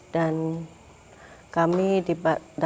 dan kami dapat bantuan ya karena